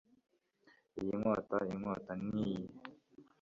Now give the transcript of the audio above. Iyi nkota inkota nkiyi